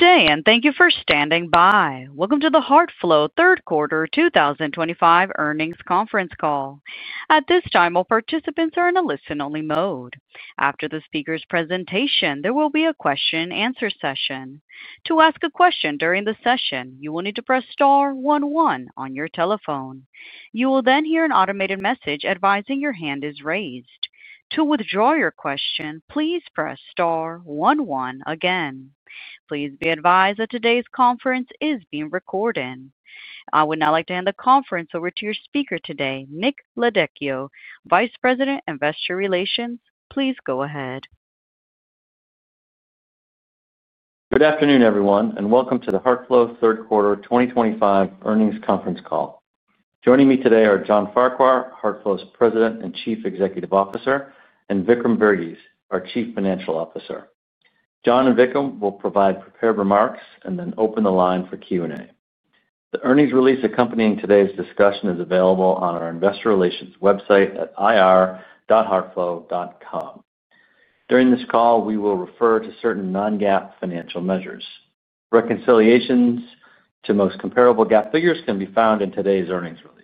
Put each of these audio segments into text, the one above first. Good day, and thank you for standing by. Welcome to the Heartflow third quarter 2025 earnings conference call. At this time, all participants are in a listen-only mode. After the speaker's presentation, there will be a question-and-answer session. To ask a question during the session, you will need to press star one one on your telephone. You will then hear an automated message advising your hand is raised. To withdraw your question, please press star one one again. Please be advised that today's conference is being recorded. I would now like to hand the conference over to your speaker today, Nick Laudico, Vice President, Investor Relations. Please go ahead. Good afternoon, everyone, and welcome to the Heartflow Q3 2025 earnings conference call. Joining me today are John Farquhar, Heartflow's President and Chief Executive Officer, and Vikram Verghese, our Chief Financial Officer. John and Vikram will provide prepared remarks and then open the line for Q&A. The earnings release accompanying today's discussion is available on our Investor Relations website at ir.heartflow.com. During this call, we will refer to certain non-GAAP financial measures. Reconciliations to most comparable GAAP figures can be found in today's earnings release.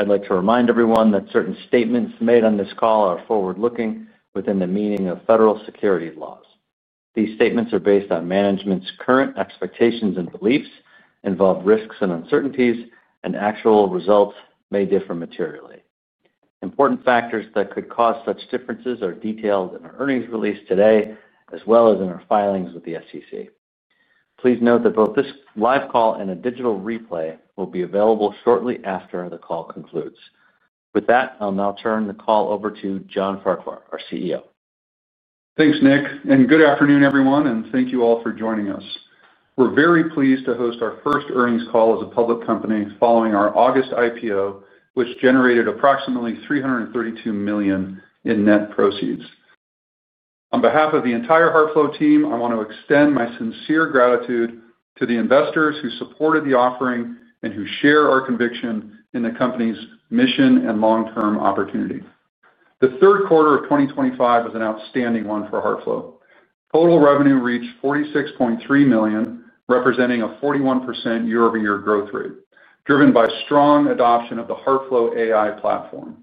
I'd like to remind everyone that certain statements made on this call are forward-looking within the meaning of federal securities laws. These statements are based on management's current expectations and beliefs, involve risks and uncertainties, and actual results may differ materially. Important factors that could cause such differences are detailed in our earnings release today, as well as in our filings with the SEC. Please note that both this live call and a digital replay will be available shortly after the call concludes. With that, I'll now turn the call over to John Farquhar, our CEO. Thanks, Nick. Good afternoon, everyone, and thank you all for joining us. We are very pleased to host our first earnings call as a public company following our August IPO, which generated approximately $332 million in net proceeds. On behalf of the entire Heartflow team, I want to extend my sincere gratitude to the investors who supported the offering and who share our conviction in the company's mission and long-term opportunity. The third quarter of 2025 was an outstanding one for Heartflow. Total revenue reached $46.3 million, representing a 41% year-over-year growth rate, driven by strong adoption of the Heartflow AI platform.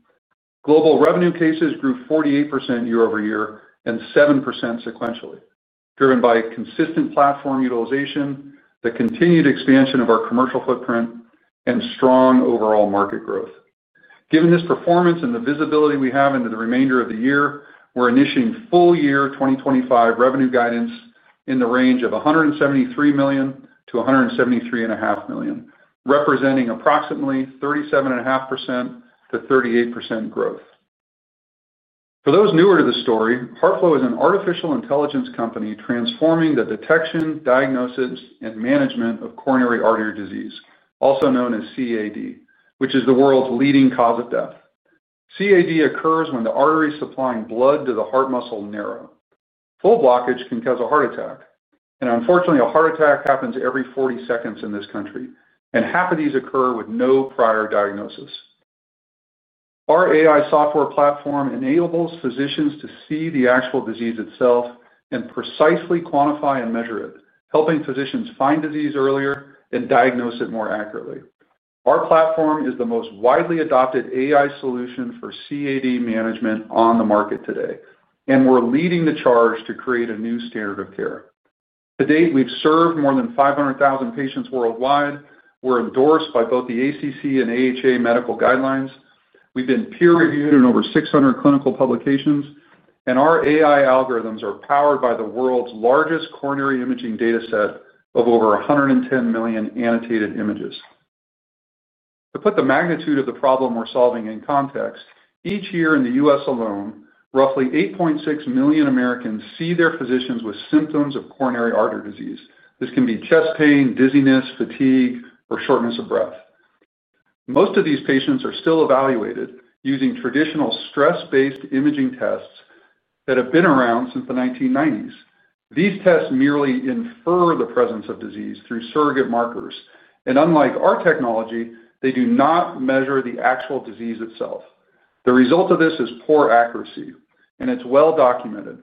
Global revenue cases grew 48% year-over-year and 7% sequentially, driven by consistent platform utilization, the continued expansion of our commercial footprint, and strong overall market growth. Given this performance and the visibility we have into the remainder of the year, we're initiating full-year 2025 revenue guidance in the range of $173 million-$173.5 million, representing approximately 37.5%-38% growth. For those newer to the story, Heartflow is an artificial intelligence company transforming the detection, diagnosis, and management of coronary artery disease, also known as CAD, which is the world's leading cause of death. CAD occurs when the artery supplying blood to the heart muscle narrows. Full blockage can cause a heart attack, and unfortunately, a heart attack happens every 40 seconds in this country, and half of these occur with no prior diagnosis. Our AI software platform enables physicians to see the actual disease itself and precisely quantify and measure it, helping physicians find disease earlier and diagnose it more accurately. Our platform is the most widely adopted AI solution for CAD management on the market today, and we're leading the charge to create a new standard of care. To date, we've served more than 500,000 patients worldwide. We're endorsed by both the ACC and AHA medical guidelines. We've been peer-reviewed in over 600 clinical publications, and our AI algorithms are powered by the world's largest coronary imaging data set of over 110 million annotated images. To put the magnitude of the problem we're solving in context, each year in the U.S. alone, roughly 8.6 million Americans see their physicians with symptoms of coronary artery disease. This can be chest pain, dizziness, fatigue, or shortness of breath. Most of these patients are still evaluated using traditional stress-based imaging tests that have been around since the 1990s. These tests merely infer the presence of disease through surrogate markers, and unlike our technology, they do not measure the actual disease itself. The result of this is poor accuracy, and it's well documented.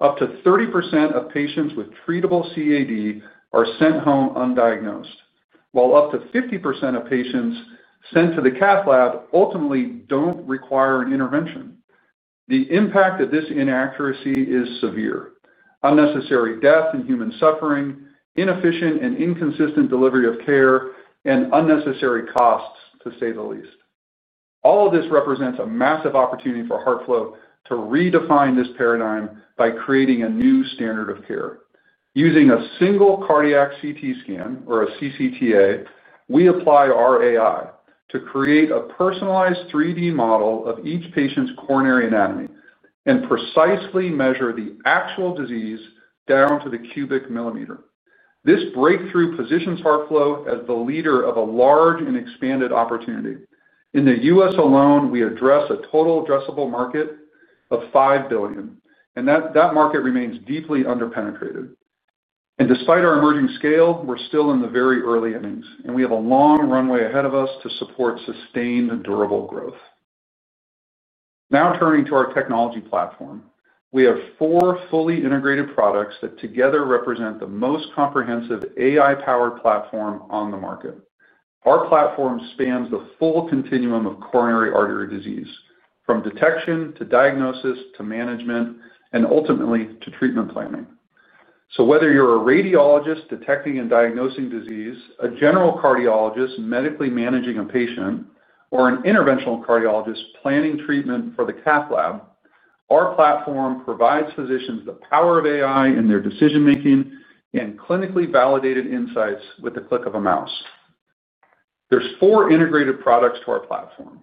Up to 30% of patients with treatable CAD are sent home undiagnosed, while up to 50% of patients sent to the cath lab ultimately don't require an intervention. The impact of this inaccuracy is severe: unnecessary death and human suffering, inefficient and inconsistent delivery of care, and unnecessary costs, to say the least. All of this represents a massive opportunity for Heartflow to redefine this paradigm by creating a new standard of care. Using a single cardiac CT scan, or a CCTA, we apply our AI to create a personalized 3D model of each patient's coronary anatomy and precisely measure the actual disease down to the cubic millimeter. This breakthrough positions Heartflow as the leader of a large and expanded opportunity. In the U.S. alone, we address a total addressable market of $5 billion, and that market remains deeply underpenetrated. Despite our emerging scale, we're still in the very early innings, and we have a long runway ahead of us to support sustained and durable growth. Now turning to our technology platform, we have four fully integrated products that together represent the most comprehensive AI-powered platform on the market. Our platform spans the full continuum of coronary artery disease, from detection to diagnosis to management and ultimately to treatment planning. Whether you're a radiologist detecting and diagnosing disease, a general cardiologist medically managing a patient, or an interventional cardiologist planning treatment for the cath lab, our platform provides physicians the power of AI in their decision-making and clinically validated insights with the click of a mouse. There's four integrated products to our platform.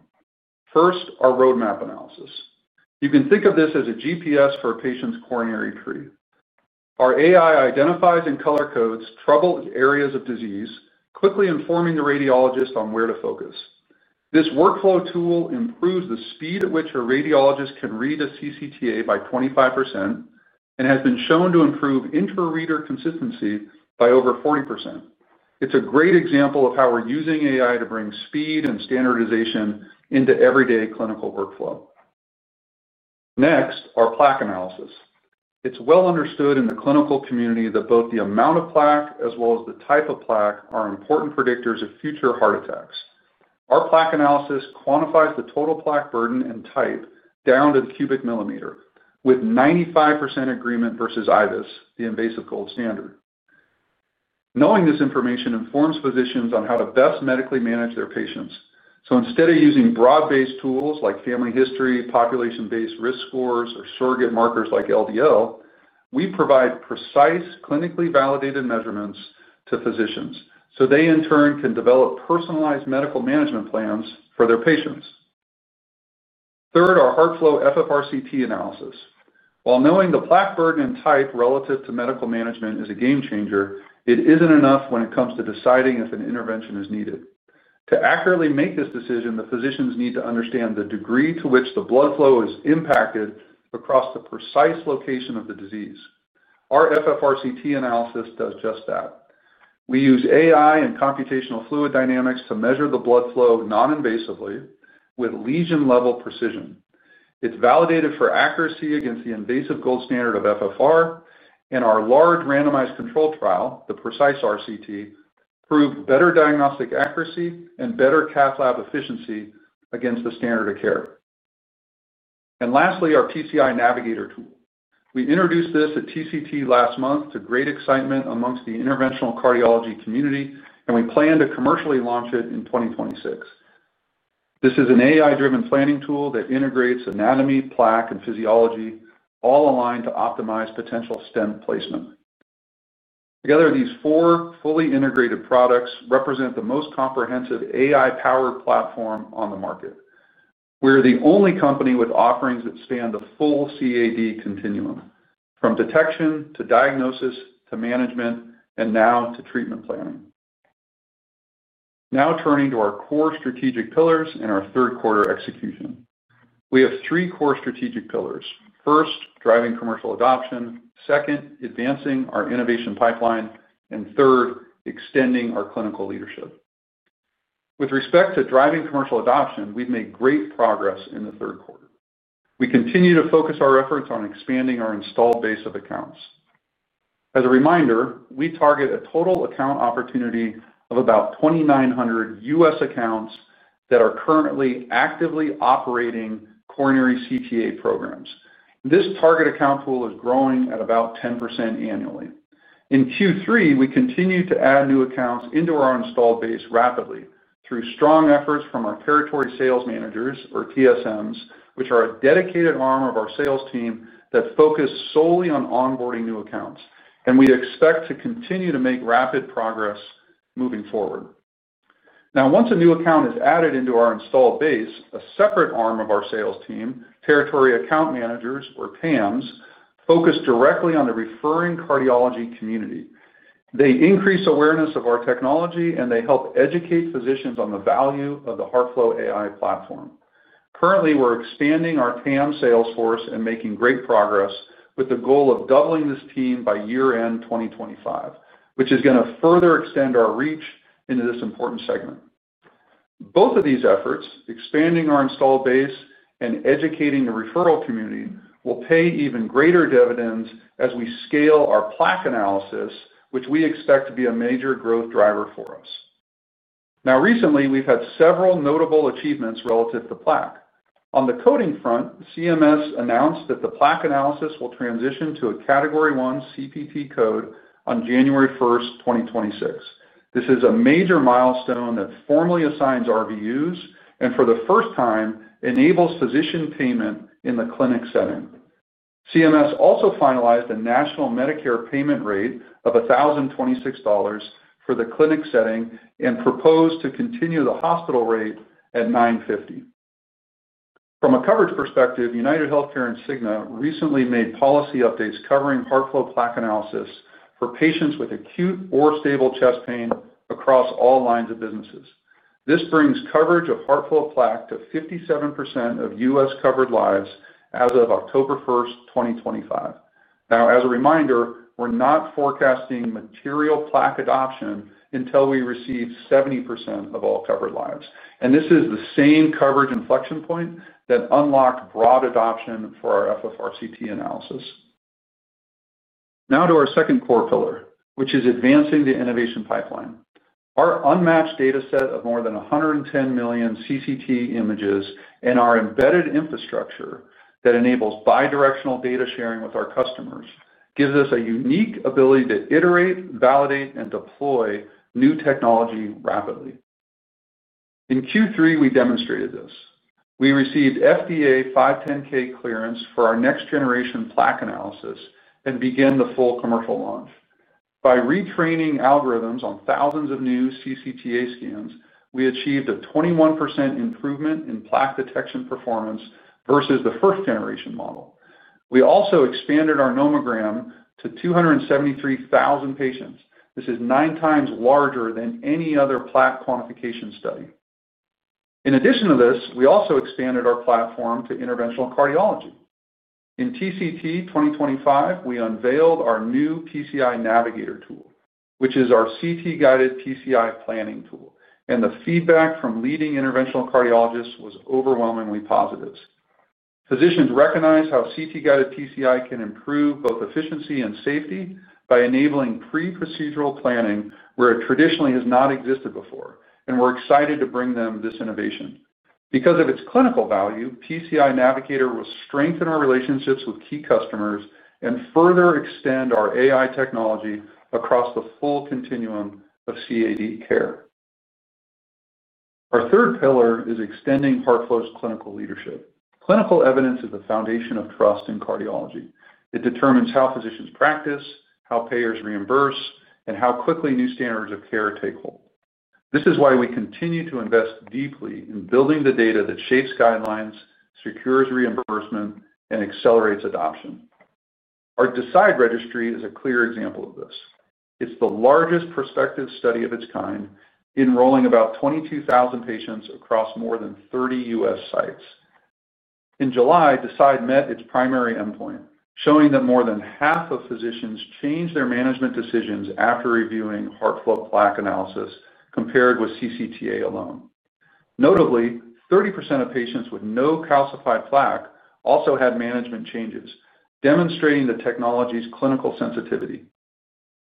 First, our Roadmap Analysis. You can think of this as a GPS for a patient's coronary tree. Our AI identifies and color-codes troubled areas of disease, quickly informing the radiologist on where to focus. This workflow tool improves the speed at which a radiologist can read a CCTA by 25% and has been shown to improve inter-reader consistency by over 40%. It's a great example of how we're using AI to bring speed and standardization into everyday clinical workflow. Next, our Plaque Analysis. It's well understood in the clinical community that both the amount of plaque as well as the type of plaque are important predictors of future heart attacks. Our Plaque Analysis quantifies the total plaque burden and type down to the cubic millimeter, with 95% agreement versus IVUS, the invasive gold standard. Knowing this information informs physicians on how to best medically manage their patients. Instead of using broad-based tools like family history, population-based risk scores, or surrogate markers like LDL, we provide precise, clinically validated measurements to physicians so they in turn can develop personalized medical management plans for their patients. Third, our Heartflow FFR CT Analysis. While knowing the plaque burden and type relative to medical management is a game changer, it isn't enough when it comes to deciding if an intervention is needed. To accurately make this decision, the physicians need to understand the degree to which the blood flow is impacted across the precise location of the disease. Our FFR CT Analysis does just that. We use AI and computational fluid dynamics to measure the blood flow non-invasively with lesion-level precision. It's validated for accuracy against the invasive gold standard of FFR, and our large randomized control trial, the PRECISE-RCT, proved better diagnostic accuracy and better cath lab efficiency against the standard of care. Lastly, our PCI Navigator tool. We introduced this at TCT last month to great excitement amongst the interventional cardiology community, and we plan to commercially launch it in 2026. This is an AI-driven planning tool that integrates anatomy, plaque, and physiology, all aligned to optimize potential stent placement. Together, these four fully integrated products represent the most comprehensive AI-powered platform on the market. We're the only company with offerings that span the full CAD continuum, from detection to diagnosis to management and now to treatment planning. Now turning to our core strategic pillars and our third quarter execution. We have three core strategic pillars: first, driving commercial adoption; second, advancing our innovation pipeline; and third, extending our clinical leadership. With respect to driving commercial adoption, we've made great progress in the third. We continue to focus our efforts on expanding our installed base of accounts. As a reminder, we target a total account opportunity of about 2,900 U.S. accounts that are currently actively operating coronary CTA programs. This target account pool is growing at about 10% annually. In Q3, we continue to add new accounts into our installed base rapidly through strong efforts from our territory sales managers, or TSMs, which are a dedicated arm of our sales team that focus solely on onboarding new accounts, and we expect to continue to make rapid progress moving forward. Now, once a new account is added into our installed base, a separate arm of our sales team, territory account managers, or TAMs, focus directly on the referring cardiology community. They increase awareness of our technology, and they help educate physicians on the value of the Heartflow AI platform. Currently, we're expanding our TAM sales force and making great progress with the goal of doubling this team by year-end 2025, which is going to further extend our reach into this important segment. Both of these efforts, expanding our installed base and educating the referral community, will pay even greater dividends as we scale our plaque analysis, which we expect to be a major growth driver for us. Now, recently, we've had several notable achievements relative to plaque. On the coding front, CMS announced that the plaque analysis will transition to a Category I CPT code on January 1st, 2026. This is a major milestone that formally assigns RVUs and, for the first time, enables physician payment in the clinic setting. CMS also finalized a national Medicare payment rate of $1,026 for the clinic setting and proposed to continue the hospital rate at $950. From a coverage perspective, UnitedHealthcare and Cigna recently made policy updates covering Heartflow Plaque Analysis for patients with acute or stable chest pain across all lines of businesses. This brings coverage of Heartflow Plaque to 57% of U.S. covered lives as of October 1st, 2025. Now, as a reminder, we're not forecasting material Plaque adoption until we receive 70% of all covered lives, and this is the same coverage inflection point that unlocked broad adoption for our FFR CT Analysis. Now to our second core pillar, which is advancing the innovation pipeline. Our unmatched data set of more than 110 million CCTA images and our embedded infrastructure that enables bidirectional data sharing with our customers gives us a unique ability to iterate, validate, and deploy new technology rapidly. In Q3, we demonstrated this. We received FDA 510(k) clearance for our next-generation Plaque Analysis and began the full commercial launch. By retraining algorithms on thousands of new CCTA scans, we achieved a 21% improvement in plaque detection performance versus the first-generation model. We also expanded our nomogram to 273,000 patients. This is 9x larger than any other plaque quantification study. In addition to this, we also expanded our platform to interventional cardiology. In TCT 2025, we unveiled our new PCI Navigator tool, which is our CT-guided PCI planning tool, and the feedback from leading interventional cardiologists was overwhelmingly positive. Physicians recognize how CT-guided PCI can improve both efficiency and safety by enabling pre-procedural planning, where it traditionally has not existed before, and we're excited to bring them this innovation. Because of its clinical value, PCI Navigator will strengthen our relationships with key customers and further extend our AI technology across the full continuum of CAD care. Our third pillar is extending Heartflow's clinical leadership. Clinical evidence is the foundation of trust in cardiology. It determines how physicians practice, how payers reimburse, and how quickly new standards of care take hold. This is why we continue to invest deeply in building the data that shapes guidelines, secures reimbursement, and accelerates adoption. Our DECIDE registry is a clear example of this. It's the largest prospective study of its kind, enrolling about 22,000 patients across more than 30 U.S. sites. In July, DECIDE met its primary endpoint, showing that more than half of physicians changed their management decisions after reviewing Heartflow Plaque Analysis compared with CCTA alone. Notably, 30% of patients with no calcified plaque also had management changes, demonstrating the technology's clinical sensitivity.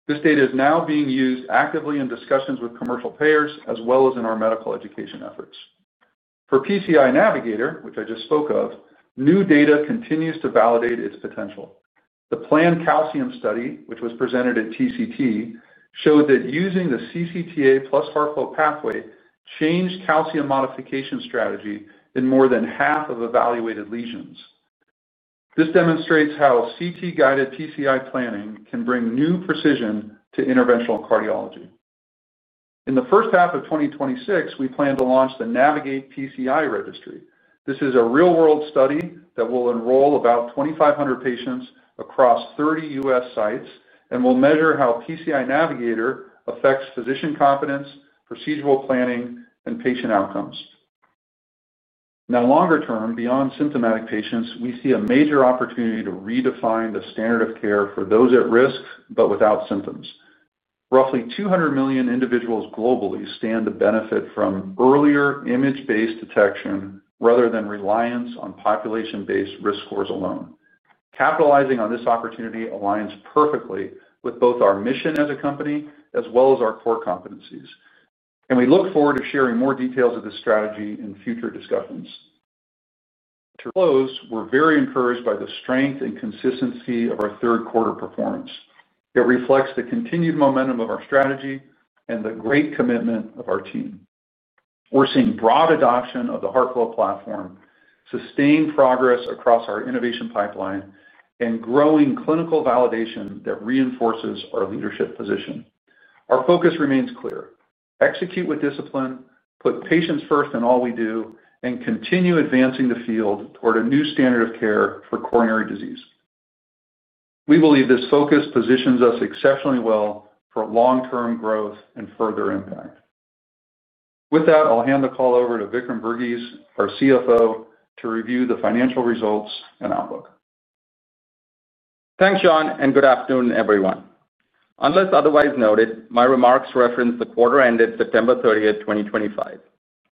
This data is now being used actively in discussions with commercial payers as well as in our medical education efforts. For PCI Navigator, which I just spoke of, new data continues to validate its potential. The PLAN CALCIUM study, which was presented at TCT, showed that using the CCTA + Heartflow pathway changed calcium modification strategy in more than half of evaluated lesions. This demonstrates how CT-guided PCI planning can bring new precision to interventional cardiology. In the first half of 2026, we plan to launch the Navigate PCI registry. This is a real-world study that will enroll about 2,500 patients across 30 U.S. sites and will measure how PCI Navigator affects physician confidence, procedural planning, and patient outcomes. Now, longer term, beyond symptomatic patients, we see a major opportunity to redefine the standard of care for those at risk but without symptoms. Roughly 200 million individuals globally stand to benefit from earlier image-based detection rather than reliance on population-based risk scores alone. Capitalizing on this opportunity aligns perfectly with both our mission as a company as well as our core competencies, and we look forward to sharing more details of this strategy in future discussions. To close, we're very encouraged by the strength and consistency of our third quarter performance. It reflects the continued momentum of our strategy and the great commitment of our team. We're seeing broad adoption of the Heartflow platform, sustained progress across our innovation pipeline, and growing clinical validation that reinforces our leadership position. Our focus remains clear: execute with discipline, put patients first in all we do, and continue advancing the field toward a new standard of care for coronary disease. We believe this focus positions us exceptionally well for long-term growth and further impact. With that, I'll hand the call over to Vikram Verghese, our CFO, to review the financial results and outlook. Thanks, John, and good afternoon, everyone. Unless otherwise noted, my remarks reference the quarter ended September 30th, 2025.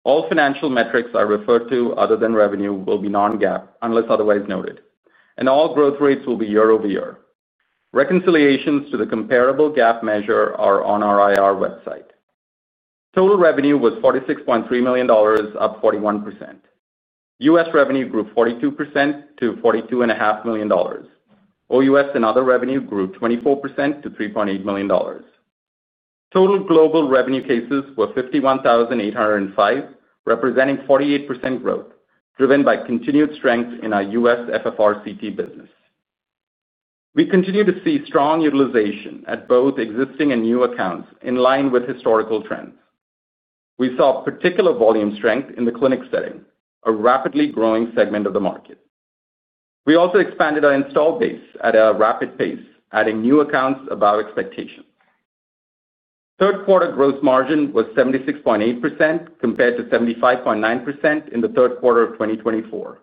All financial metrics I refer to other than revenue will be non-GAAP, unless otherwise noted, and all growth rates will be year-over-year. Reconciliations to the comparable GAAP measure are on our IR website. Total revenue was $46.3 million, up 41%. U.S. revenue grew 42% to $42.5 million. OUS and other revenue grew 24% to $3.8 million. Total global revenue cases were 51,805, representing 48% growth, driven by continued strength in our U.S. FFR CT business. We continue to see strong utilization at both existing and new accounts in line with historical trends. We saw particular volume strength in the clinic setting, a rapidly growing segment of the market. We also expanded our installed base at a rapid pace, adding new accounts above expectations. Third quarter gross margin was 76.8% compared to 75.9% in third quarter of 2024.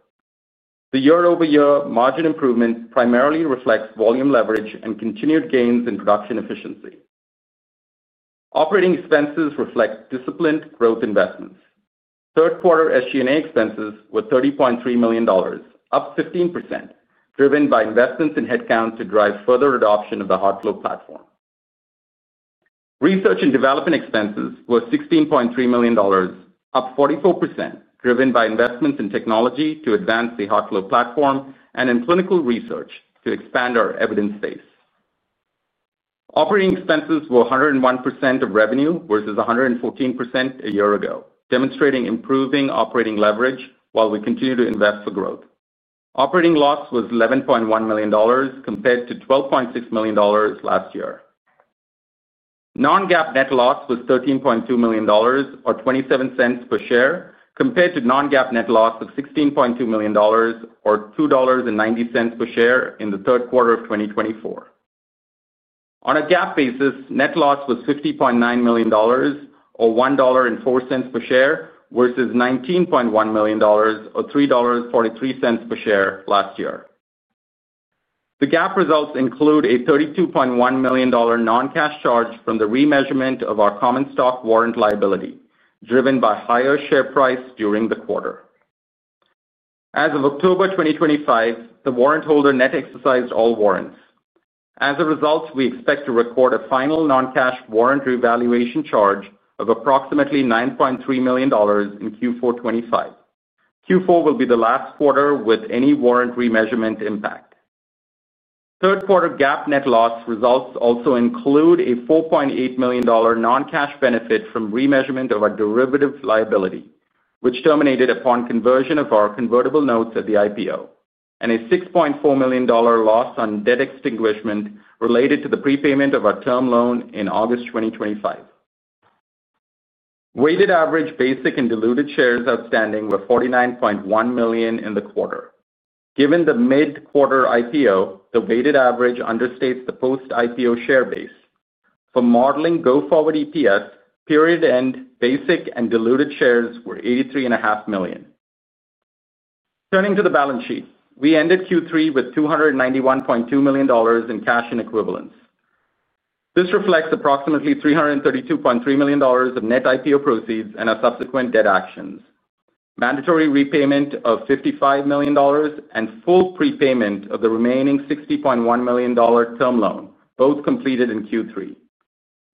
The year-over-year margin improvement primarily reflects volume leverage and continued gains in production efficiency. Operating expenses reflect disciplined growth investments. Third quarter SG&A expenses were $30.3 million, up 15%, driven by investments in headcount to drive further adoption of the Heartflow platform. Research and development expenses were $16.3 million, up 44%, driven by investments in technology to advance the Heartflow platform and in clinical research to expand our evidence base. Operating expenses were 101% of revenue versus 114% a year ago, demonstrating improving operating leverage while we continue to invest for growth. Operating loss was $11.1 million compared to $12.6 million last year. Non-GAAP net loss was $13.2 million, or $0.27 per share, compared to non-GAAP net loss of $16.2 million, or $2.90 per share in the Q3 of 2024. On a GAAP basis, net loss was $50.9 million, or $1.04 per share, versus $19.1 million, or $3.43 per share last year. The GAAP results include a $32.1 million non-cash charge from the remeasurement of our common stock warrant liability, driven by higher share price during the quarter. As of October 2025, the warrant holder net exercised all warrants. As a result, we expect to record a final non-cash warrant revaluation charge of approximately $9.3 million in Q4 2025. Q4 will be the last quarter with any warrant remeasurement impact. Third GAAP net loss results also include a $4.8 million non-cash benefit from remeasurement of our derivative liability, which terminated upon conversion of our convertible notes at the IPO, and a $6.4 million loss on debt extinguishment related to the prepayment of our term loan in August 2025. Weighted average basic and diluted shares outstanding were 49.1 million in the quarter. Given the mid-quarter IPO, the weighted average understates the post-IPO share base. For modeling go-forward EPS, period-end basic and diluted shares were 83.5 million. Turning to the balance sheet, we ended Q3 with $291.2 million in cash and equivalents. This reflects approximately $332.3 million of net IPO proceeds and our subsequent debt actions, mandatory repayment of $55 million, and full prepayment of the remaining $60.1 million term loan, both completed in Q3.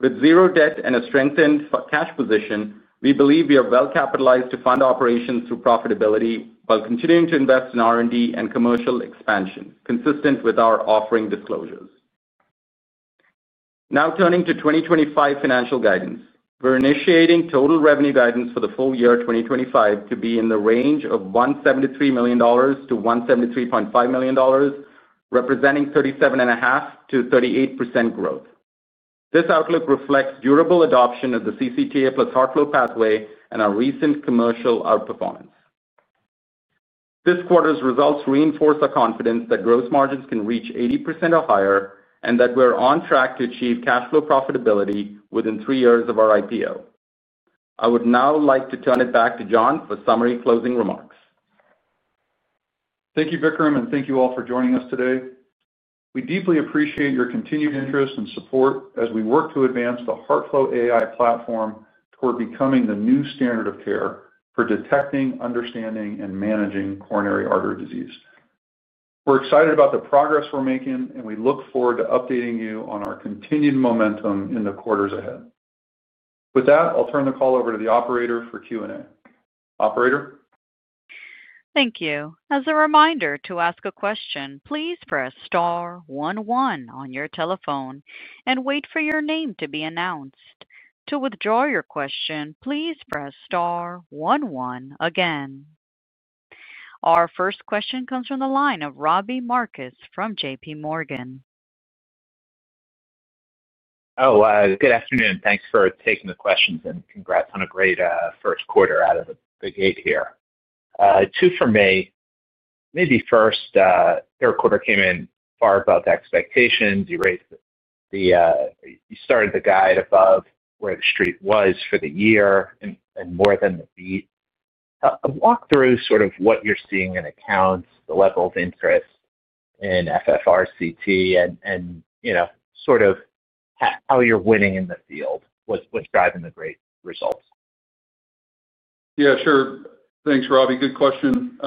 With zero debt and a strengthened cash position, we believe we are well-capitalized to fund operations through profitability while continuing to invest in R&D and commercial expansion, consistent with our offering disclosures. Now turning to 2025 financial guidance, we're initiating total revenue guidance for the full year 2025 to be in the range of $173 million-$173.5 million, representing 37.5%-38% growth. This outlook reflects durable adoption of the CCTA + Heartflow pathway and our recent commercial outperformance. This quarter's results reinforce our confidence that gross margins can reach 80% or higher and that we're on track to achieve cash flow profitability within three years of our IPO. I would now like to turn it back to John for summary closing remarks. Thank you, Vikram, and thank you all for joining us today. We deeply appreciate your continued interest and support as we work to advance the Heartflow AI platform toward becoming the new standard of care for detecting, understanding, and managing coronary artery disease. We're excited about the progress we're making, and we look forward to updating you on our continued momentum in the quarters ahead. With that, I'll turn the call over to the operator for Q&A. Operator? Thank you. As a reminder to ask a question, please press star one one on your telephone and wait for your name to be announced. To withdraw your question, please press star one one again. Our first question comes from the line of Robbie Marcus from JPMorgan. Oh, good afternoon. Thanks for taking the questions and congrats on a great first quarter out of the gate here. Two for me. Maybe first, third quarter came in far above expectations. You started the guide above where the street was for the year and more than the beat. Walk through sort of what you're seeing in accounts, the level of interest in FFR CT, and sort of how you're winning in the field was driving the great results. Yeah, sure. Thanks, Robbie. Good question.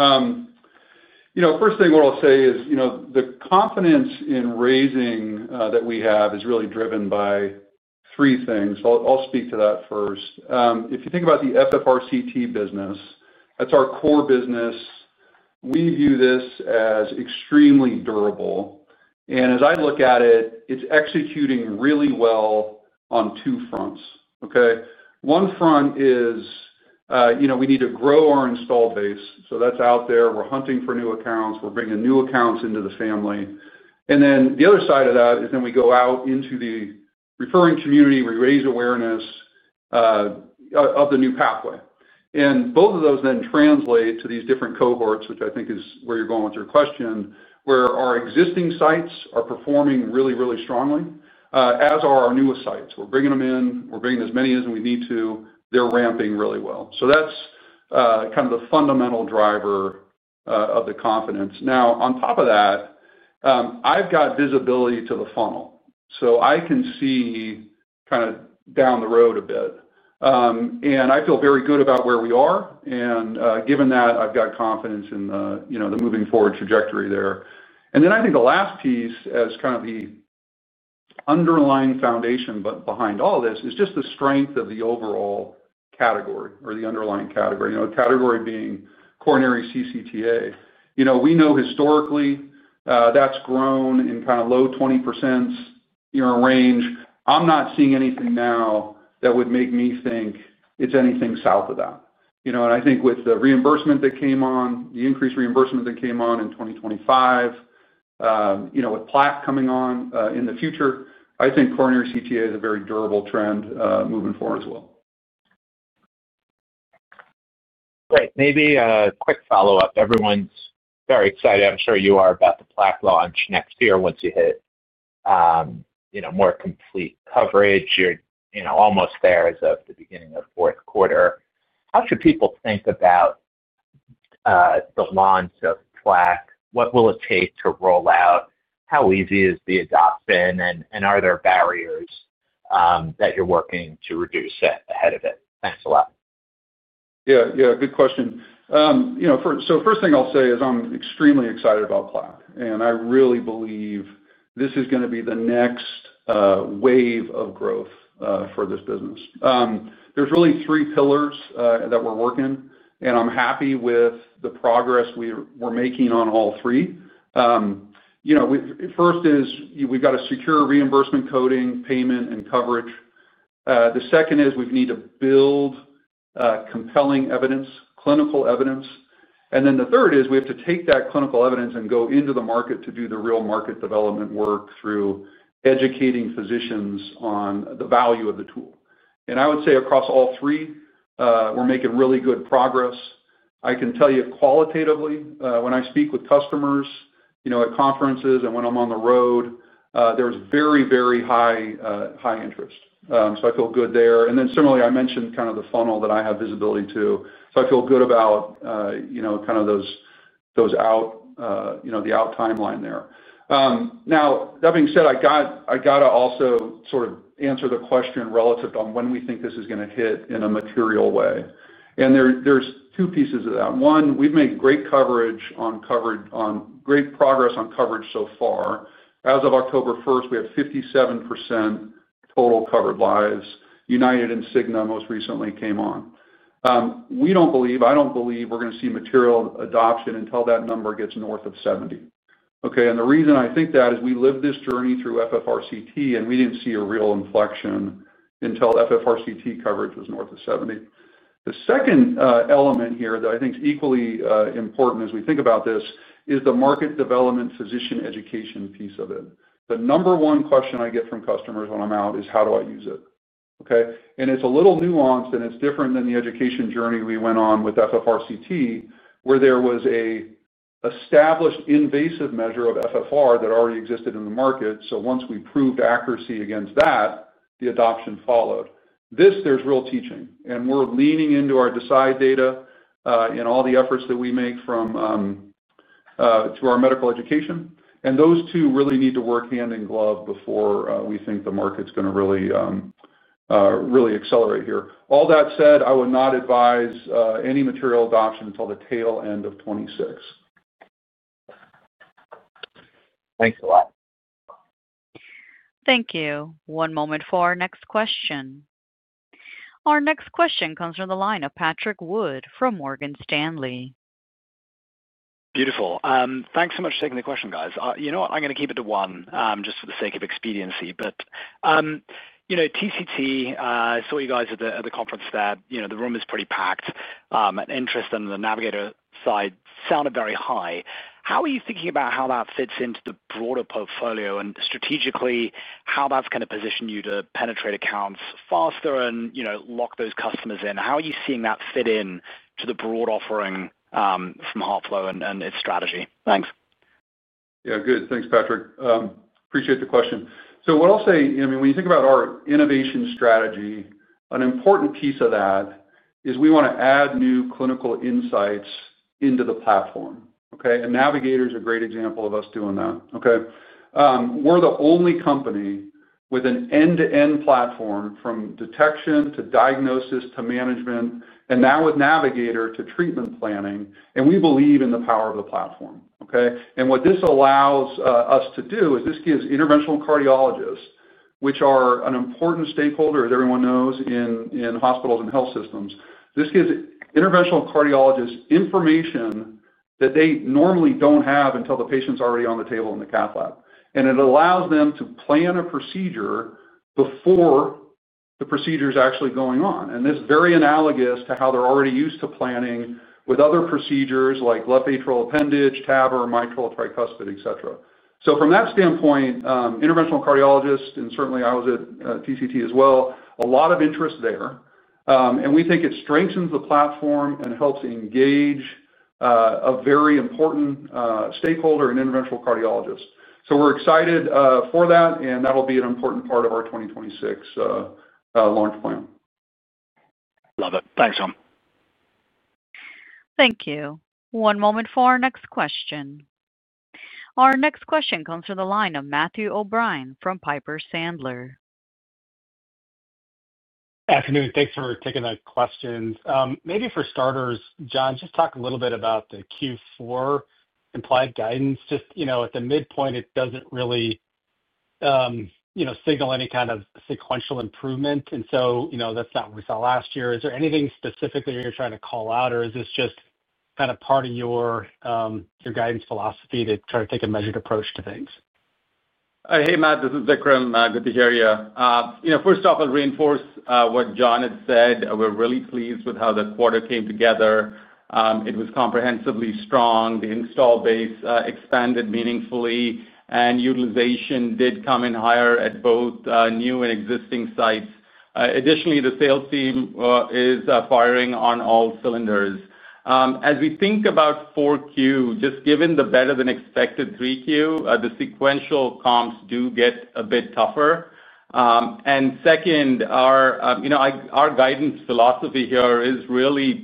First thing what I'll say is the confidence in raising that we have is really driven by three things. I'll speak to that first. If you think about the FFR CT business, that's our core business. We view this as extremely durable. And as I look at it, it's executing really well on two fronts. Okay? One front is we need to grow our installed base. So that's out there. We're hunting for new accounts. We're bringing new accounts into the family. And then the other side of that is then we go out into the referring community. We raise awareness of the new pathway. Both of those then translate to these different cohorts, which I think is where you're going with your question, where our existing sites are performing really, really strongly, as are our newest sites. We're bringing them in. We're bringing as many as we need to. They're ramping really well. That's kind of the fundamental driver of the confidence. Now, on top of that, I've got visibility to the funnel. I can see kind of down the road a bit. I feel very good about where we are. Given that, I've got confidence in the moving forward trajectory there. I think the last piece as kind of the underlying foundation behind all this is just the strength of the overall category or the underlying category, category being coronary CCTA. We know historically that's grown in kind of low 20% range. I'm not seeing anything now that would make me think it's anything south of that. I think with the reimbursement that came on, the increased reimbursement that came on in 2025, with Plaque coming on in the future, I think coronary CTA is a very durable trend moving forward as well. Great. Maybe a quick follow-up. Everyone's very excited, I'm sure you are, about the Plaque launch next year once you hit more complete coverage. You're almost there as of the beginning of Q4. How should people think about the launch of Plaque? What will it take to roll out? How easy is the adoption? Are there barriers that you're working to reduce ahead of it? Thanks a lot. Yeah, yeah. Good question. First thing I'll say is I'm extremely excited about Plaque. I really believe this is going to be the next wave of growth for this business. There are really three pillars that we're working. I'm happy with the progress we're making on all three. First is we've got to secure reimbursement, coding, payment, and coverage. The second is we need to build compelling evidence, clinical evidence. The third is we have to take that clinical evidence and go into the market to do the real market development work through educating physicians on the value of the tool. I would say across all three, we're making really good progress. I can tell you qualitatively, when I speak with customers at conferences and when I'm on the road, there's very, very high interest. I feel good there. Similarly, I mentioned kind of the funnel that I have visibility to. I feel good about kind of those out, the out timeline there. Now, that being said, I got to also sort of answer the question relative on when we think this is going to hit in a material way. And there are two pieces of that. One, we've made great progress on coverage so far. As of October 1st, we have 57% total covered lives. United and Cigna most recently came on. We don't believe, I don't believe we're going to see material adoption until that number gets north of 70%. Okay? The reason I think that is we lived this journey through FFR CT, and we didn't see a real inflection until FFR CT coverage was north of 70%. The second element here that I think is equally important as we think about this is the market development physician education piece of it. The number one question I get from customers when I'm out is, "How do I use it?" Okay? And it's a little nuanced, and it's different than the education journey we went on with FFR CT, where there was an established invasive measure of FFR that already existed in the market. Once we proved accuracy against that, the adoption followed. This, there's real teaching. We're leaning into our DECIDE data in all the efforts that we make to our medical education. Those two really need to work hand in glove before we think the market's going to really accelerate here. All that said, I would not advise any material adoption until the tail end of 2026. Thanks a lot. Thank you. One moment for our next question. Our next question comes from the line of Patrick Wood from Morgan Stanley. Beautiful. Thanks so much for taking the question, guys. You know what? I'm going to keep it to one just for the sake of expediency. TCT, I saw you guys at the conference that the room is pretty packed. Interest on the Navigator side sounded very high. How are you thinking about how that fits into the broader portfolio and strategically how that's going to position you to penetrate accounts faster and lock those customers in? How are you seeing that fit into the broad offering from Heartflow and its strategy? Thanks. Yeah, good. Thanks, Patrick. Appreciate the question. What I'll say, I mean, when you think about our innovation strategy, an important piece of that is we want to add new clinical insights into the platform. Okay? Navigator is a great example of us doing that. Okay? We're the only company with an end-to-end platform from detection to diagnosis to management, and now with Navigator to treatment planning. We believe in the power of the platform. Okay? What this allows us to do is this gives interventional cardiologists, which are an important stakeholder, as everyone knows, in hospitals and health systems. This gives interventional cardiologists information that they normally don't have until the patient's already on the table in the cath lab. It allows them to plan a procedure before the procedure is actually going on. This is very analogous to how they're already used to planning with other procedures like left atrial appendage, TAVR, mitral, tricuspid, etc. From that standpoint, interventional cardiologists, and certainly I was at TCT as well, a lot of interest there. We think it strengthens the platform and helps engage a very important stakeholder in interventional cardiologists. We are excited for that, and that will be an important part of our 2026 launch plan. Love it. Thanks, John. Thank you. One moment for our next question. Our next question comes from the line of Matthew O'Brien from Piper Sandler. Good afternoon. Thanks for taking the questions. Maybe for starters, John, just talk a little bit about the Q4 implied guidance. Just at the midpoint, it does not really signal any kind of sequential improvement. That is not what we saw last year. Is there anything specifically you are trying to call out, or is this just kind of part of your guidance philosophy to try to take a measured approach to things? Hey, Matt. This is Vikram. Good to hear you. First off, I will reinforce what John had said. We're really pleased with how the quarter came together. It was comprehensively strong. The install base expanded meaningfully, and utilization did come in higher at both new and existing sites. Additionally, the sales team is firing on all cylinders. As we think about 4Q, just given the better-than-expected 3Q, the sequential comps do get a bit tougher. Our guidance philosophy here is really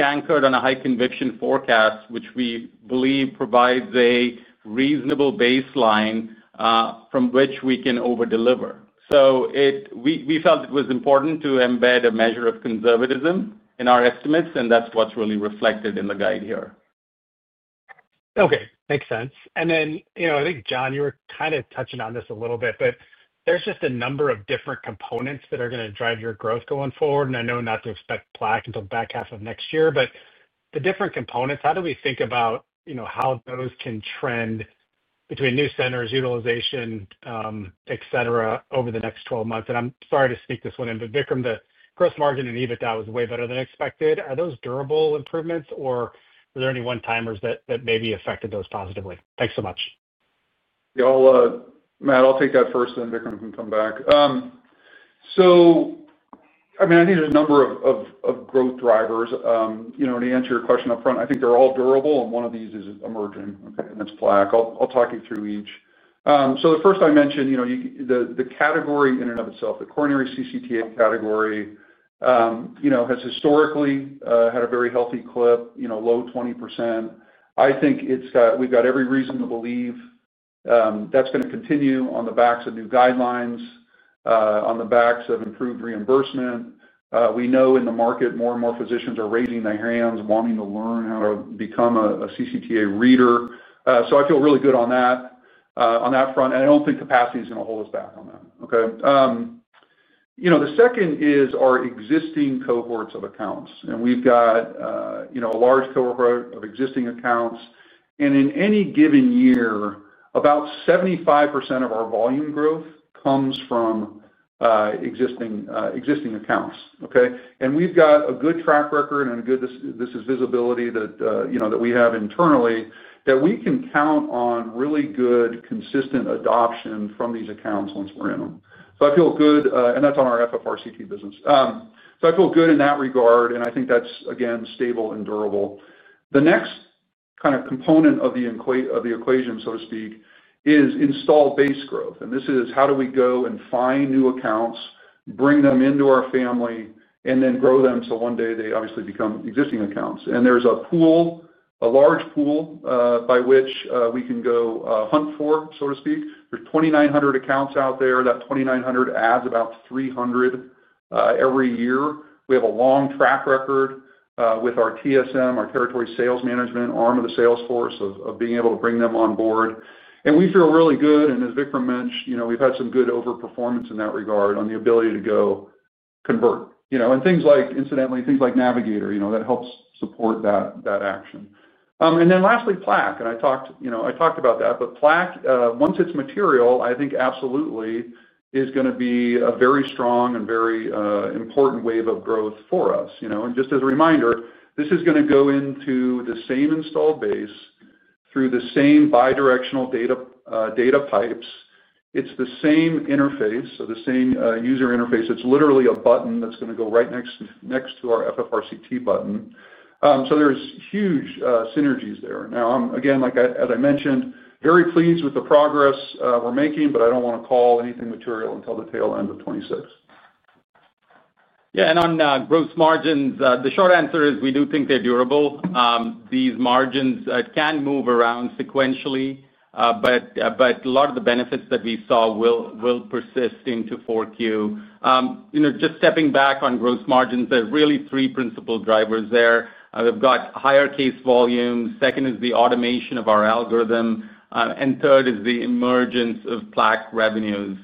anchored on a high conviction forecast, which we believe provides a reasonable baseline from which we can overdeliver. We felt it was important to embed a measure of conservatism in our estimates, and that's what's really reflected in the guide here. Okay. Makes sense. I think, John, you were kind of touching on this a little bit, but there's just a number of different components that are going to drive your growth going forward. I know not to expect Plaque until the back half of next year, but the different components, how do we think about how those can trend between new centers, utilization, etc., over the next 12 months? I'm sorry to sneak this one in, but Vikram, the gross margin and EBITDA was way better than expected. Are those durable improvements, or are there any one-timers that maybe affected those positively? Thanks so much. Matt, I'll take that first, and then Vikram can come back. I mean, I think there's a number of growth drivers. To answer your question upfront, I think they're all durable, and one of these is emerging. Okay? That's Plaque. I'll talk you through each. The first I mentioned, the category in and of itself, the coronary CCTA category has historically had a very healthy clip, low 20%. I think we've got every reason to believe that's going to continue on the backs of new guidelines, on the backs of improved reimbursement. We know in the market, more and more physicians are raising their hands, wanting to learn how to become a CCTA reader. I feel really good on that front. I don't think capacity is going to hold us back on that. Okay? The second is our existing cohorts of accounts. We've got a large cohort of existing accounts. In any given year, about 75% of our volume growth comes from existing accounts. Okay? We've got a good track record and a good, this is visibility that we have internally that we can count on really good, consistent adoption from these accounts once we're in them. I feel good, and that's on our FFR CT business. I feel good in that regard, and I think that's, again, stable and durable. The next kind of component of the equation, so to speak, is installed base growth. This is how do we go and find new accounts, bring them into our family, and then grow them so one day they obviously become existing accounts. There's a pool, a large pool by which we can go hunt for, so to speak. There's 2,900 accounts out there. That 2,900 adds about 300 every year. We have a long track record with our TSM, our territory sales management, arm of the sales force of being able to bring them on board. We feel really good. As Vikram mentioned, we've had some good overperformance in that regard on the ability to go convert. Things like, incidentally, things like Navigator, that helps support that action. Lastly, Plaque. I talked about that. Plaque, once it's material, I think absolutely is going to be a very strong and very important wave of growth for us. Just as a reminder, this is going to go into the same installed base through the same bidirectional data pipes. It's the same interface, so the same user interface. It's literally a button that's going to go right next to our FFR CT button. There are huge synergies there. Again, as I mentioned, very pleased with the progress we're making, but I don't want to call anything material until the tail end of 2026. Yeah. On growth margins, the short answer is we do think they're durable. These margins can move around sequentially, but a lot of the benefits that we saw will persist into 4Q. Just stepping back on gross margins, there are really three principal drivers there. We've got higher case volumes. Second is the automation of our algorithm. And third is the emergence of Plaque revenues.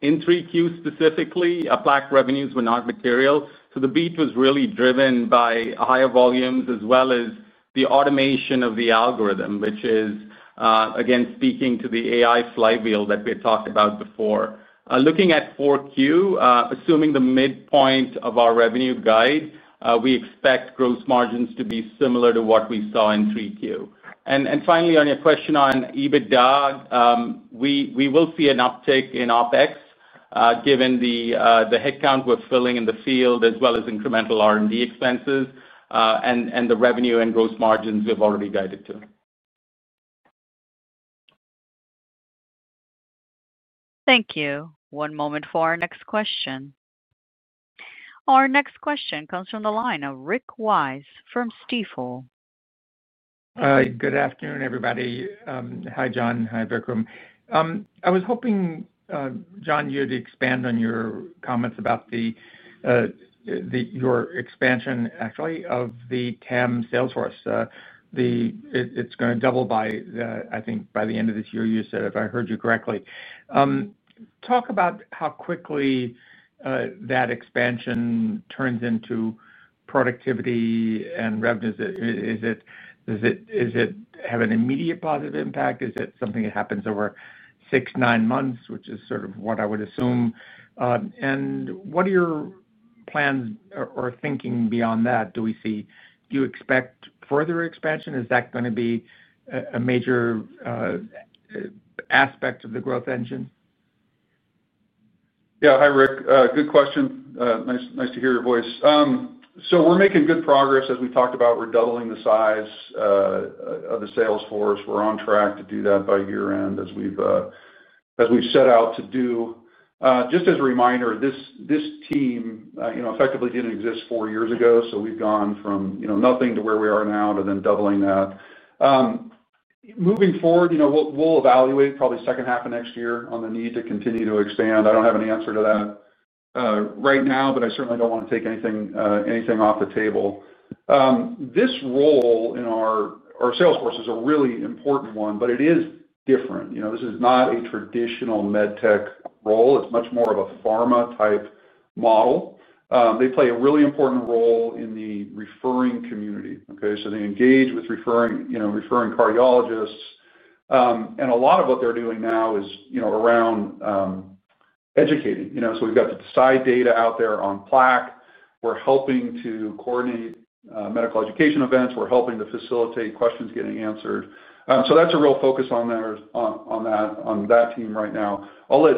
In 3Q specifically, Plaque revenues were not material. So the beat was really driven by higher volumes as well as the automation of the algorithm, which is, again, speaking to the AI flywheel that we had talked about before. Looking at 4Q, assuming the midpoint of our revenue guide, we expect gross margins to be similar to what we saw in 3Q. And finally, on your question on EBITDA, we will see an uptick in OpEx given the headcount we're filling in the field as well as incremental R&D expenses and the revenue and gross margins we've already guided to. Thank you. One moment for our next question. Our next question comes from the line of Rick Wise from Stifel. Good afternoon, everybody. Hi, John. Hi, Vikram. I was hoping, John, you had expanded on your comments about your expansion, actually, of the TAM sales force. It's going to double by, I think, by the end of this year, you said, if I heard you correctly. Talk about how quickly that expansion turns into productivity and revenues. Does it have an immediate positive impact? Is it something that happens over six, nine months, which is sort of what I would assume? And what are your plans or thinking beyond that? Do we see, do you expect further expansion? Is that going to be a major aspect of the growth engine? Yeah. Hi, Rick. Good question. Nice to hear your voice. We are making good progress. As we talked about, we are doubling the size of the sales force. We're on track to do that by year-end as we've set out to do. Just as a reminder, this team effectively didn't exist four years ago. We've gone from nothing to where we are now to then doubling that. Moving forward, we'll evaluate probably second half of next year on the need to continue to expand. I don't have an answer to that right now, but I certainly don't want to take anything off the table. This role in our sales force is a really important one, but it is different. This is not a traditional med tech role. It's much more of a pharma-type model. They play a really important role in the referring community. Okay? They engage with referring cardiologists. A lot of what they're doing now is around educating. We've got the CI data out there on Plaque. We're helping to coordinate medical education events. We're helping to facilitate questions getting answered. That's a real focus on that team right now. I'll let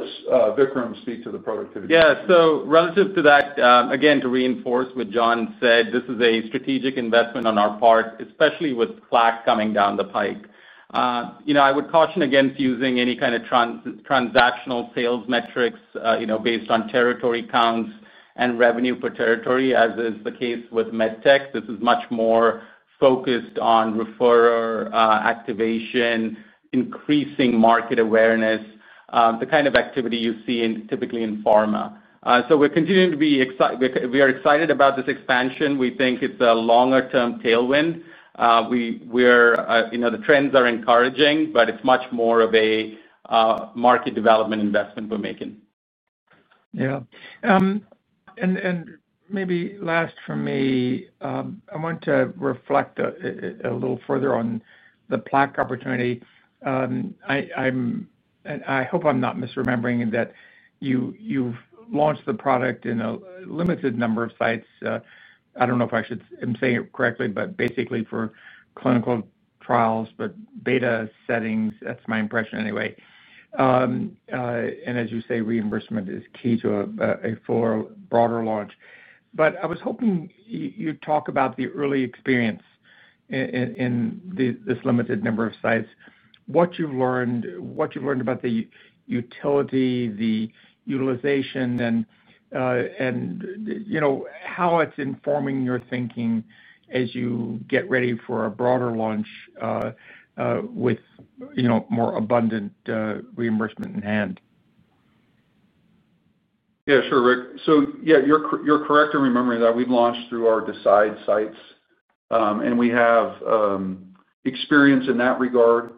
Vikram speak to the productivity side. Yeah. Relative to that, again, to reinforce what John said, this is a strategic investment on our part, especially with Plaque coming down the pike. I would caution against using any kind of transactional sales metrics based on territory counts and revenue per territory, as is the case with med tech. This is much more focused on referrer activation, increasing market awareness, the kind of activity you see typically in pharma. We're continuing to be excited. We are excited about this expansion. We think it's a longer-term tailwind. The trends are encouraging, but it's much more of a market development investment we're making. Yeah. Maybe last for me, I want to reflect a little further on the Plaque opportunity. I hope I'm not misremembering that you've launched the product in a limited number of sites. I don't know if I should say it correctly, but basically for clinical trials, but beta settings. That's my impression anyway. As you say, reimbursement is key to a broader launch. I was hoping you'd talk about the early experience in this limited number of sites, what you've learned, what you've learned about the utility, the utilization, and how it's informing your thinking as you get ready for a broader launch with more abundant reimbursement in hand. Yeah. Sure, Rick. Yeah, you're correct in remembering that we've launched through our decide sites, and we have experience in that regard,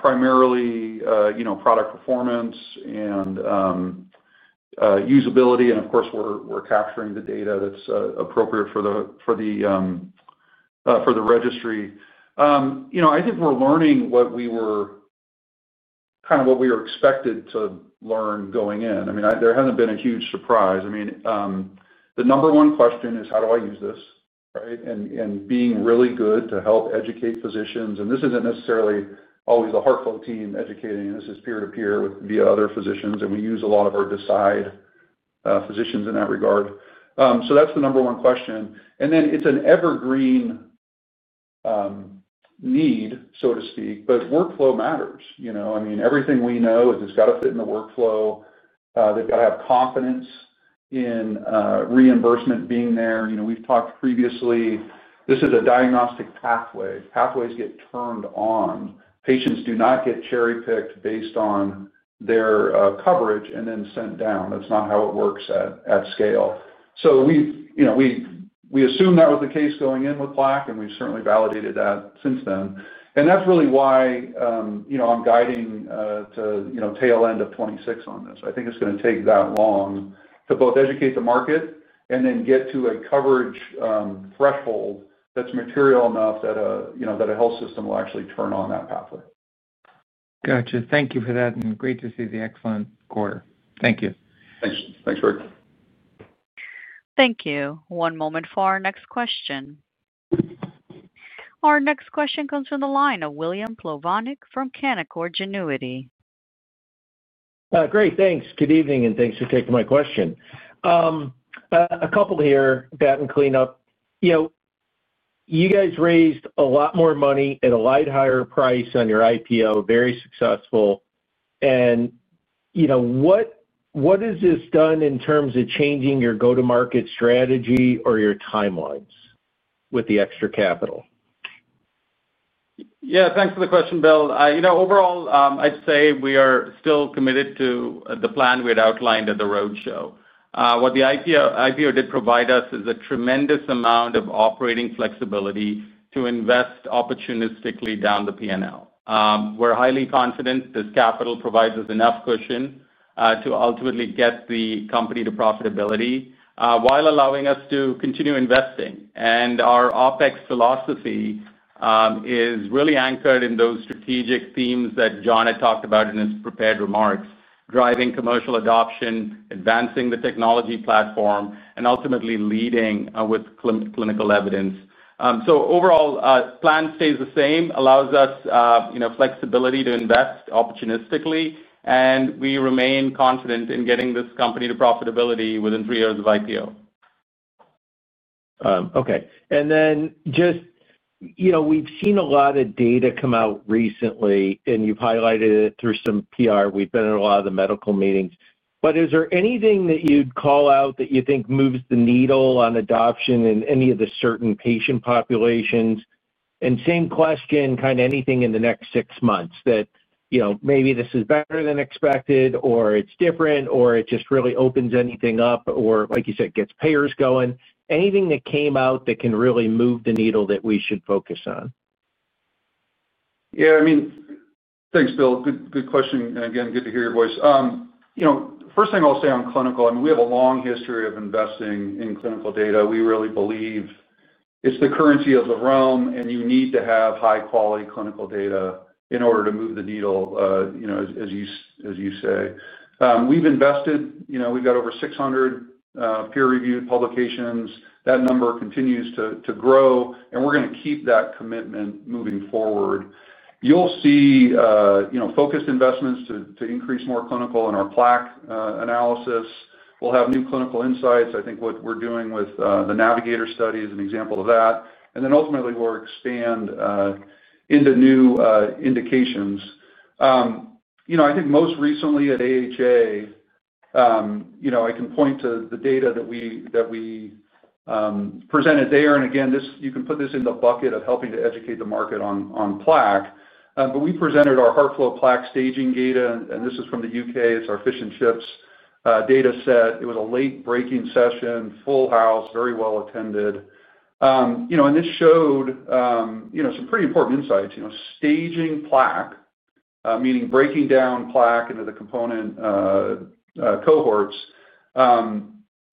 primarily product performance and usability. Of course, we're capturing the data that's appropriate for the registry. I think we're learning what we were kind of what we were expected to learn going in. I mean, there hasn't been a huge surprise. The number one question is, "How do I use this?" Right? And being really good to help educate physicians. This isn't necessarily always a Heartflow team educating. This is peer-to-peer via other physicians, and we use a lot of our DECIDE physicians in that regard. That's the number one question. It's an evergreen need, so to speak, but workflow matters. Everything we know has got to fit in the workflow. They've got to have confidence in reimbursement being there. We've talked previously. This is a diagnostic pathway. Pathways get turned on. Patients do not get cherry-picked based on their coverage and then sent down. That's not how it works at scale. So we assume that was the case going in with plaque, and we've certainly validated that since then. And that's really why I'm guiding to tail end of 2026 on this. I think it's going to take that long to both educate the market and then get to a coverage threshold that's material enough that a health system will actually turn on that pathway. Gotcha. Thank you for that. And great to see the excellent quarter. Thank you. Thanks. Thanks, Rick. Thank you. One moment for our next question. Our next question comes from the line of William Plovanic from Canaccord Genuity. Great. Thanks. Good evening, and thanks for taking my question. A couple here, bat and clean up. You guys raised a lot more money at a light, higher price on your IPO, very successful. What has this done in terms of changing your go-to-market strategy or your timelines with the extra capital? Yeah. Thanks for the question, Bill. Overall, I'd say we are still committed to the plan we had outlined at the roadshow. What the IPO did provide us is a tremendous amount of operating flexibility to invest opportunistically down the P&L. We're highly confident this capital provides us enough cushion to ultimately get the company to profitability while allowing us to continue investing. Our OpEx philosophy is really anchored in those strategic themes that John had talked about in his prepared remarks, driving commercial adoption, advancing the technology platform, and ultimately leading with clinical evidence. Overall, plan stays the same, allows us flexibility to invest opportunistically, and we remain confident in getting this company to profitability within three years of IPO. Okay. Then just we've seen a lot of data come out recently, and you've highlighted it through some PR. We've been in a lot of the medical meetings. Is there anything that you'd call out that you think moves the needle on adoption in any of the certain patient populations? Same question, kind of anything in the next six months that maybe this is better than expected, or it's different, or it just really opens anything up, or like you said, gets payers going? Anything that came out that can really move the needle that we should focus on? Yeah. I mean, thanks, Bill. Good question. Again, good to hear your voice. First thing I'll say on clinical, I mean, we have a long history of investing in clinical data. We really believe it's the currency of the realm, and you need to have high-quality clinical data in order to move the needle, as you say. We've invested. We've got over 600 peer-reviewed publications. That number continues to grow, and we're going to keep that commitment moving forward. You'll see focused investments to increase more clinical in our Plaque Analysis. We'll have new clinical insights. I think what we're doing with the Navigator study is an example of that. Ultimately, we'll expand into new indications. I think most recently at AHA, I can point to the data that we presented there. You can put this in the bucket of helping to educate the market on Plaque. We presented our Heartflow Plaque staging data, and this is from the U.K. It's our FISH&CHIPS data set. It was a late-breaking session, full house, very well attended. This showed some pretty important insights. Staging Plaque, meaning breaking down Plaque into the component cohorts,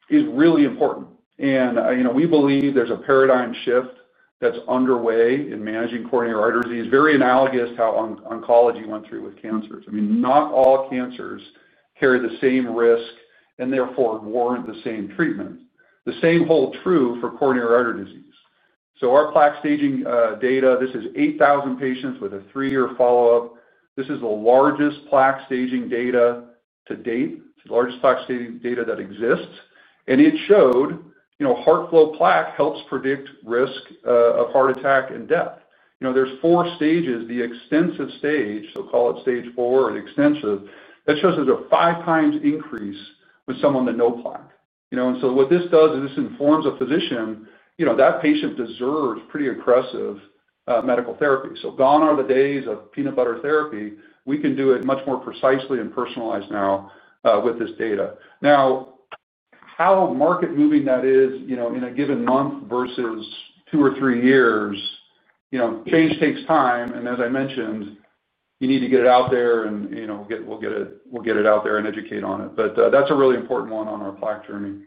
is really important. We believe there's a paradigm shift that's underway in managing coronary artery disease, very analogous to how oncology went through with cancers. I mean, not all cancers carry the same risk and therefore warrant the same treatment. The same holds true for coronary artery disease. Our Plaque staging data, this is 8,000 patients with a three-year follow-up. This is the largest Plaque staging data to date. It's the largest Plaque staging data that exists. It showed Heartflow Plaque helps predict risk of heart attack and death. There's four stages. The extensive stage, so call it stage four or the extensive. That shows there's a 5x increase with someone that no plaque. What this does is this informs a physician. That patient deserves pretty aggressive medical therapy. Gone are the days of peanut butter therapy. We can do it much more precisely and personalized now with this data. How market-moving that is in a given month versus two or three years, change takes time. As I mentioned, you need to get it out there, and we'll get it out there and educate on it. That's a really important one on our Plaque journey.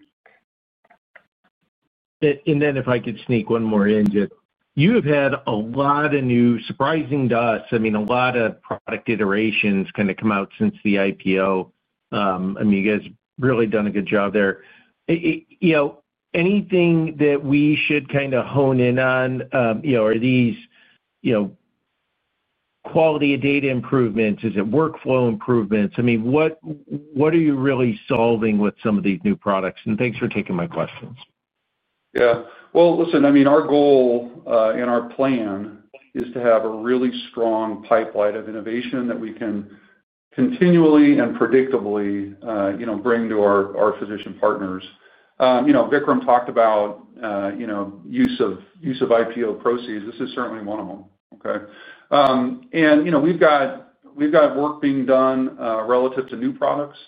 If I could sneak one more in, you have had a lot of new surprising dots. I mean, a lot of product iterations kind of come out since the IPO. I mean, you guys have really done a good job there. Anything that we should kind of hone in on? Are these quality of data improvements? Is it workflow improvements? I mean, what are you really solving with some of these new products? And thanks for taking my questions. Yeah. Our goal and our plan is to have a really strong pipeline of innovation that we can continually and predictably bring to our physician partners. Vikram talked about use of IPO proceeds. This is certainly one of them. Okay? We've got work being done relative to new products.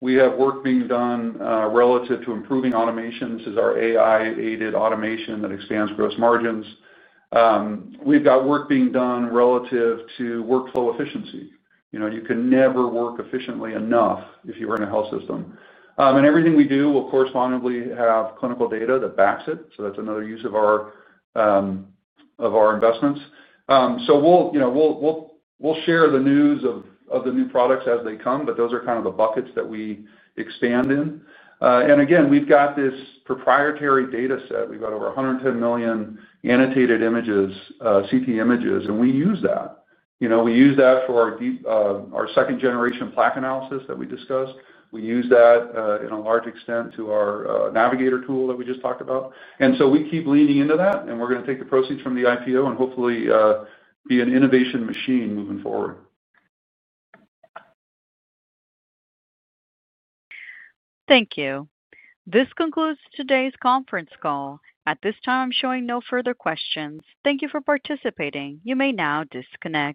We have work being done relative to improving automation. This is our AI-aided automation that expands gross margins. We've got work being done relative to workflow efficiency. You can never work efficiently enough if you are in a health system. Everything we do will correspondingly have clinical data that backs it. That's another use of our investments. We will share the news of the new products as they come, but those are kind of the buckets that we expand in. Again, we have this proprietary data set. We have over 110 million annotated images, CT images, and we use that. We use that for our second-generation Plaque Analysis that we discussed. We use that in a large extent to our Navigator tool that we just talked about. We keep leaning into that, and we are going to take the proceeds from the IPO and hopefully be an innovation machine moving forward. Thank you. This concludes today's conference call. At this time, I am showing no further questions. Thank you for participating. You may now disconnect.